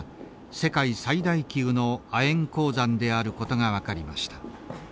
世界最大級の亜鉛鉱山であることが分かりました。